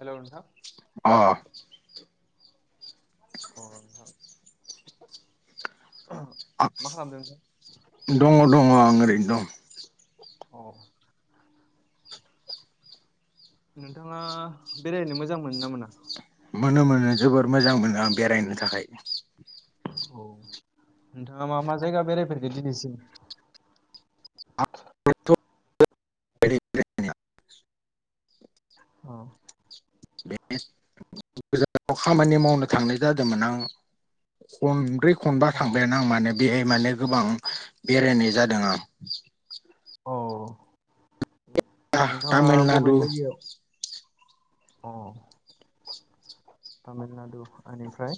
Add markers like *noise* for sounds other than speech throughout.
हेल' नोंथा। अ अ नोंथां। आ- मा खालामदों नोंथाङा? दङ दङ आं ओरैनो दं। अ। नोंथाङा बेरायनो मोजां मोनोना मोना? मोनो मोनो जोबोर मोजां मोनो आं बेरायनो थाखाय। औ नोंथाङा मा मा जायगा बेरायफेरखो दिनैसिम? आंथ' *unintelligible* अ। बे गोजानाव खामानि मावनो थांनाय जादोंमोन आं। खनब्रै खनबा अ थांबायानो आं माने बेहाय माने गोबां बेरायनाय जादों आं। औ नोंथाङा बबे तामिलनाडु जायगायाव अ तामिलनाडु एनिफ्राय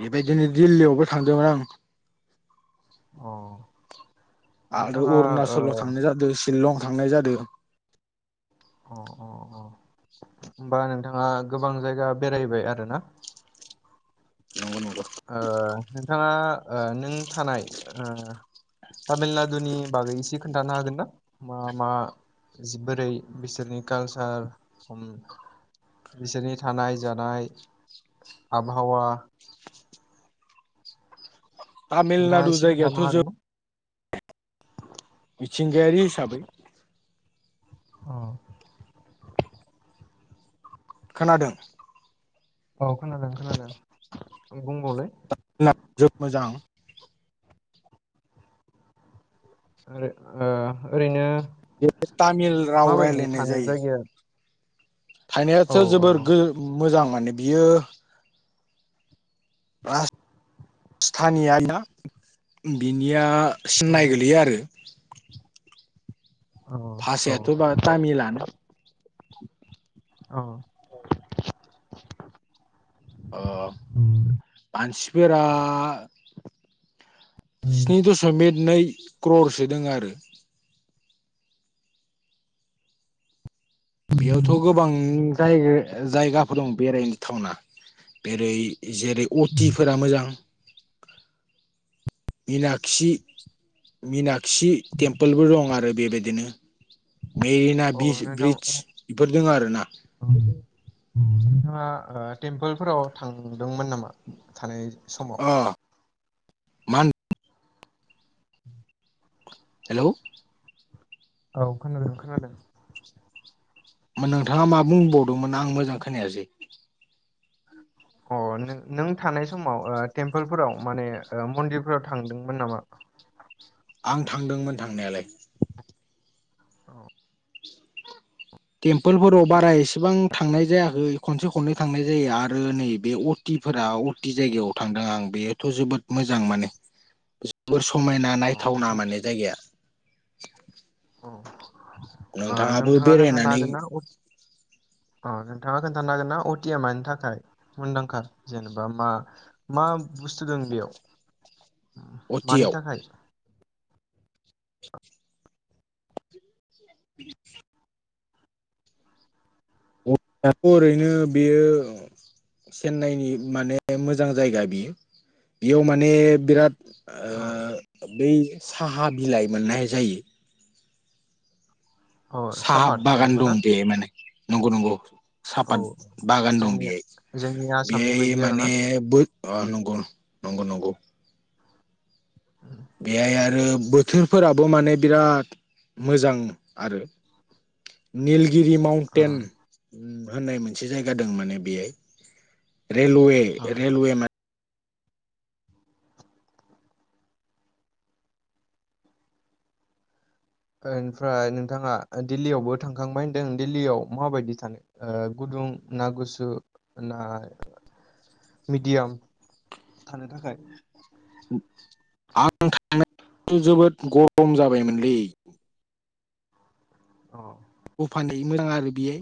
बेबायदिनो दिल्लीयावबो थांदोंमोन आं। अ। आरो नोंथाङा ओ अरुणाचलाव थांनाय जादो, शिलं थांनाय जादो। अ अ अ होनबा नोंथाङा गोबां जायगा बेरायबाय आरो ना? नंगौ नंगौ। ओह नोंथाङा ओह नों थानाय ओह तामिलनाडुनि बागै एसे खोन्थाना हागोन ना मा मा जिबोरै बिसोरनि कालचार हम बिसोरनि थानाय जानाय आबहावा नोंथाङा तामिलनाडु एसे खोन्थानो जायगाथ' जो हागोन ना? मिथिंगायारि हिसाबै अ। खोनादों। औ खोनादों खोनादों बुंंबावलाय। *unintelligible* जोद मोजां। ओरै ओ ओरैनो बेव तामिल राव माबायदि रायजलायनाय थानो जायो। जायगाया औ थायनायाथ' औ जोबोर गो मोजां माने बियो राज थानिया ना बिनिया सिन्नाय गोलैयो आरो। औ औ भाषायाथ' बा तामिलानो ओं। ओह मानसिफोरा स्नि दशमिक नै क्ररलसो दङ आरो। बेयावथ' गोबां जाय जायगाफोर दं बेराय थावना बेरै जेरै अटिफोरा मोजां। मिनाखि, मिनाक्सि टेम्पोलबो दं आरो बेबायदिनो मेरिना औ बीश ब्रिडस बेफोर दङ आरोना। नोंथांहा टेम्पोलफोराव थांदोंमोन नामा थानाय समाव? अ मा होन हेलौ। औ खोनादों खोनादों। नोंथाङा मा बुंबावदोंमोन आं मोजां खोनायासै? अ नों नों थानाय समाव ओ टेम्पोलफोराव माने मन्दिरफोराव थांदोंमोन नामा? आं थांदोंमोन थांनायालाय। टेम्पोलफोराव बारा एसेबां थांनाय जायाखै खनसे खननै थांनाय जायो आरो नैबे अ अटिफोराव अटि जायगायाव थांदों आं बेयोथ' जोबोद मोजां माने जोबोद समायना अ नायथावना माने जायगाया। अ ओह नोंथाङाबो नोंथाङा खोनथाना बेरायनानै हागोनना अट औ नोंथाङा खोन्थानो हागोन ना अटिया मानि थाखाय मुंदांखा जेनेबा मा मा बुस्थु दं बेयाव अटियाव मानि थाखाय? *unintelligible* ओरैनो बेयो चेन्नाइनि माने मोजां जायगा बियो। बेयाव माने बिराद अ ओह बै साहा बिलाइ मोननाय जायो। अ साहा सापात बागान जेनेबा ना दं बे माने, नंगौ नंगौ। औ सापात बागान दं जोंनि बेहाय जोंनि आसामनि बेहाय बायदि आरोना माने बै अ नंगौ नंगौ नंगौ। बेहाय आरो बोथोरफोराबो माने बिराद मोजां आरो। निलगिरि माव ओ टेन होननाय मोनसे जाया माने बेहाय, रेलवे ओ रेलवे मा ओमफ्राय नोंथाङा दिल्लीयावबो थांखांबाय होनदों दिल्लीयाव माबायदि थानो? ओह गुदुं ना गुसु ना मिडियाम थानो थाखाय? आं *unintelligible* जोबोद गरम जाबायमोनलै। अ। अफान मोजां आरो बेयो।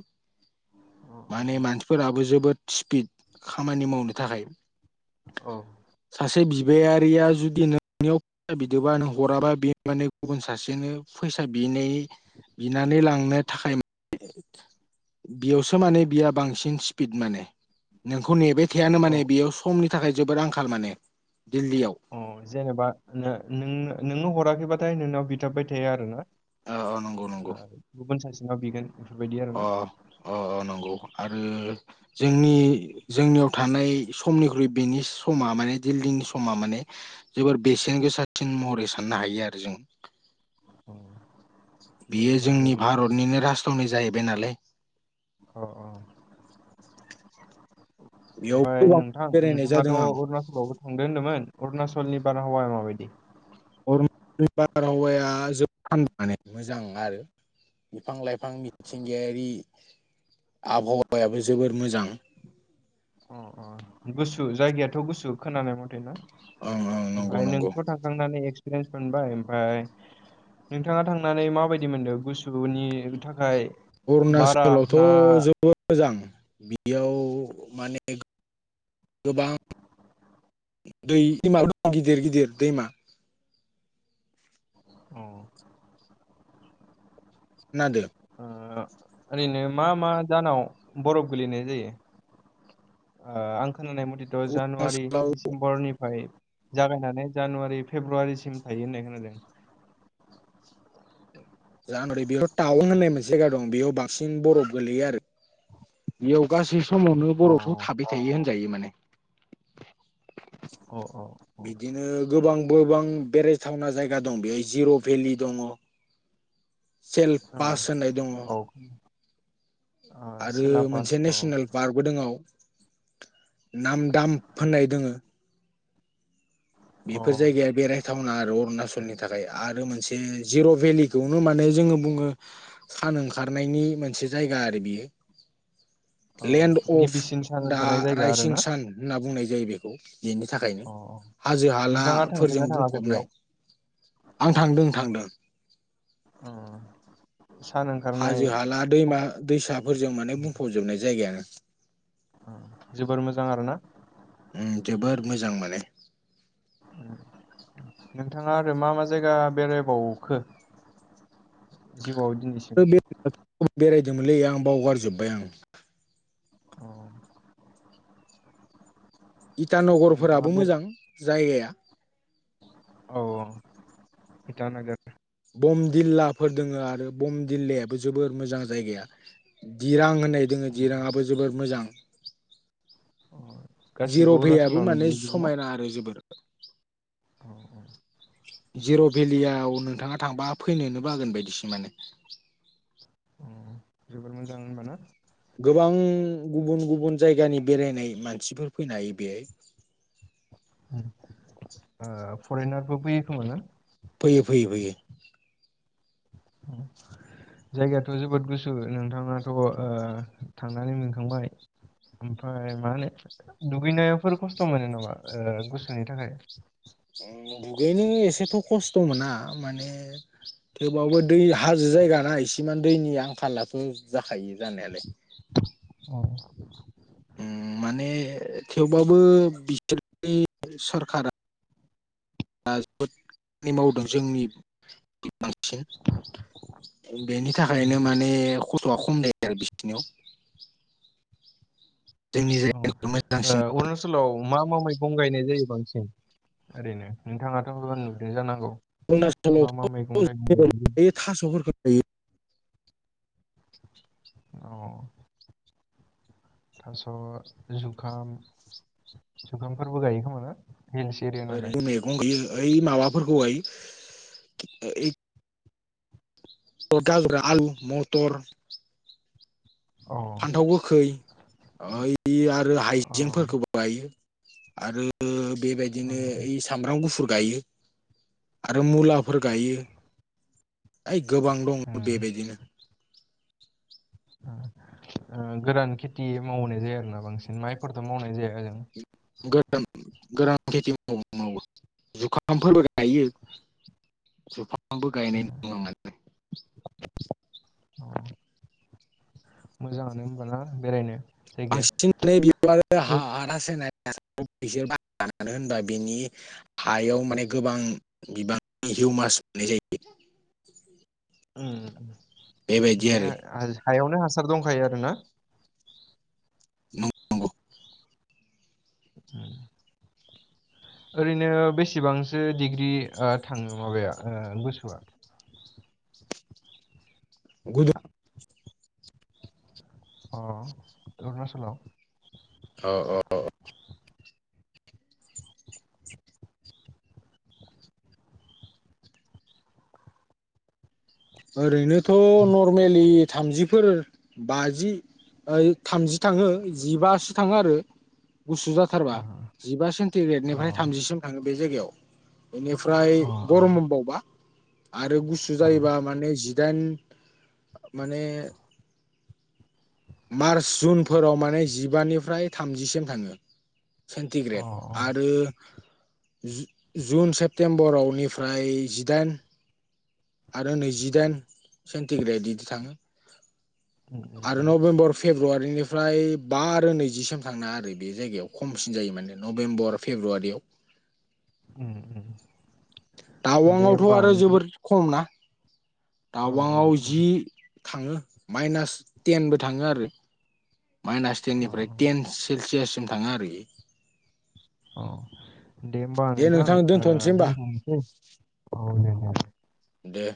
अ माने मानसिफोराबो जोबोद स्पिड खामानि मावनो थाखाय अ औ सासे बिबायारिया जुदि नोंनियाव फैसा बिदोबा नों हराबा बि माने गुबुन सासेनो फैसा बिनाय बिनानै लांनो थाखाय *unintelligible* बेयाव माने बिहा बांसिन स्पिट माने। नोंखौ नेबाय थाया औ माने बेयाव हमनि थाखाय जोबोद आंखाल माने दिल्लीयाव। अ, जेनोबा नो नोंनो हराखैबाथाय नोंनाव बिथाबबाय थायो आरो ना? अ नंगौ नंगौ ओ गुबुन सासेनाव बिगोन? बेफोरबायदि आरोना अ अ अ नंगौ आरो जोंनि जोंनियाव थानाय समनिख्रुइ बेनि समा माने दिल्डंनि समा माने जोबोर बेसेन गोसासिन महरै साननो हायो आरो जों। अ बियो जेनेबा जोंनि नों भारतनिनो राजथावनि जाहैबाय नालाय। अ अ औ। बेयाव ओमफ्राय गोबां नोंथां बेरायनाय जादों नोंथाङाथ' आं अरुणाचलावबो सांदों होन्दोंमोन अरुणाचलनि बारहावाया माबायदि *unintelligible* बिफां लाइफां मिथिंगायारि आबहावायाबो जोबोर मोजां। अ। ओमफफ्राय ओं ओं नंगौ नंगौ नोंथ' थांखांनानै एक्सपिरियेन्स मोनबाय ओमफफ्राय नोंथाङा थांनानै माबायदि मोनदों गुसुनि थाखाय बारा अरुणाचलावथ' ना जोबोद मोजां बियाव माने गोबां दै दैमाल दं गिदिर गिदिर दैमा औ ना द ओरैनो मा मा दानाव बरफ गोलैनाय जायो। आं खोनानाय मथेथ' जानुवारि अरुणाचलाव दिडिसेम्बरनिफ्राय जागायनानै जानुवारि फेब्रुवारिसिम थायो होननाय खोनादों। जाहा नरै बेयाव टाउन होननाय मोनसे जायगा दं बेयाव बांसिन बरफ गोलैयो आरो। बेयाव गासै समावनो अ बर'फ्राव थाबाय थायो होनजायो माने। औ औ। बिदिनो गोबां गोबां बेरायथावना जायगा दं बेहाय जिर' भेलि दङ। सेल् अ पास होननाय दङ। *inaudible* औ आरो सिलाबास मोनसे औ नेसनेल बारग'दोंआव नाम दाम फोननाय दोङो औ बेफोर जायगाया बेराय टाउना आरो अरुणाचलनि थाखाय आरो मोनसे जिर' भेलिखौनो माने जोङो बुङो सान ओंखारनायनि मोनसे जायगा आरो बियो। औ लेन्ड अफ गिबिसिन सान दा ओंखारनाय जायगा आरो राइजिं ना सान होनना बुंनाय जायो बेखौ बेनि थाखायनो। हाजो नोंथाङा हालाफोरजों थांदोंना थाङाखै बेयाव? बुंफबनाय आं थांदों थांदों। सान ओंखारनाय हाजो हाला दैमा सम दैसाफोरजों माने बुंफावजोबनाय जायगायानो। जोबोर मोजां आरो ना। जोबोद मोजां माने ओम नोंथाङा आरो मा मा जायगा बेरायबावखो। जिउआव दिनैसिम बेरायदोंमोनलै आं बावगारजोब्बाय आं। अ इटा नोंथाङा नगरफोराबो बे मोजां जायगाया। औ ओं इटा नोगोर। बम दिल्लाफोर दोङो आरो बम दिल्लायाबो जोबोर मोजां जायगाया दिरां होन नाय दोङो दिराङाबो जोबोद मोजां। अ जिर' गासिबो भेयाबबो अरुणाचलावनो माने गोलैजोबो ना? समायना आरो जोबोर। औ औ। जिर' भेलियाव नोंथाङा थांबा फैनोनो बागोन बायदिसो माने अ जोबोर मोजां होनब ना गोबां गुबुन गुबुन जायगानि बेरायनाय मानसिफोर फैनो हायो बेहाय ओ फरेनारबो फैयो खोमा ना? फैयो फैयो फैयो। *inaudible* जायगायाथ जोबोद गुसु नोंथाङाथ ओ थांनानै मोनखांबाय। ओमफाय मा होनो दुगैनायावफोर खस्थ' मोनो नामा ओ गुसुनि थाखाय? ओम दुगैनो एसेथ' खस्थ' मोना माने थेवबाबो दै हाजो जायगाना इसेमान दैनि आंखालाथ' जाखायो जानायालाय। औ। उम माने थेवबाबो बिसोरनि सरखारा आ जोबोद खामानि मावदों जोंनि *inaudible* सिन बेनि थाखायनो माने खस्थ'आ खम जायो आरो बिसिनियाव। जोंनि औ ओ जायगायाव मोजांसिन अरुणाचल चलाव मा मा मैगं गायनाय जायो बांसिन ओरैनो नोंथाङाथ' नुदों जानांगौ? मा मा मैगं थाइगं अरुणाचलावथ' गायनाय जायो? *inaudible* अ थास' जुखाम जुखामफोरबो गाइयो खोमा ना? हिल्स एरिया नालाय? ओरै मैगं गाइयो ओइ माबाफोरखौहाय ओ ओइ *inaudible* आलु मटर औ फान्थाव गोखै औ ओइ आरो हाइजेंफोरखौ गाइयो आरो औ बेबायदिनो ओइ सामब्राम गुफुर गाइयो आरो मुलाफोर गाइयो। ओइ गोबां दं उम बेबायदिनो। ओ गोरान खेथि मावनाय जाया आरोना बांसिन माइफोरथ' मावनाय जाया ओजों? गोरान गोरान खेथि मावो मावो जुखामफोरबो गाइयो। जुखामबो अ, गायनाय नु *inaudible* मोजाङानो होमबा ना बेरायनो? *inaudible* जायगाया नै *inaudible* मानो होनबा बिनि हायाव माने गोबां बिबांनि हिउमास मोननाय जायो। ओम बेबायदि माने आरो आजो हायावनो हासार दंखायो आरो ना? नंगौ नंगौ। ओम ओरैनो बेसेबांसो डिग्रि ओ थाङो माबाया ओ गुसुआ? गुदुं अ अरुणाचलाव अ अ अ ओरैनोथ' नर्मेलि थामजिफोर बाजि ओइ थामजि थाङो जिबासो थाङो आरो। गुसु जाथारबा अ जिबा औ सेन्टिग्रेडनिफ्राय थामजिसिम थाङो बे जायगायाव बेनिफ्राय औ गरमबावबा आरो गुसु औ अ जायोबा। माने जिदाइन माने। मार्च जुनफोराव माने जिबानिफ्राय थामजिसिम थाङो। सेन्टिग्रेड अ आरो। जुन सेप्तेम्बरावनिफ्राय जिदाइन। आरो नैजिदाइन सेन्टिग्रेड इदि थाङो उम आरो उम नभेम्बर फेब्रुवारिनिफ्राय बा आरो नैजिसिम थांना आरो बे जायगायाव खमसिन जायो माने नभेम्बर। फेब्रुवारियाव। ओम ओम। तावां आवथ' आरो जोबोर खम ना औ तावांआव जि थाङो माइनास टेनबो थाङो आरो माइनास औ टेननिफ्राय टेन सेलसियाससिम थाङो आरोखि। अ दे होमबा नोंथां ओ दोनथ'नोसै। औ दे दे। दे।